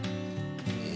え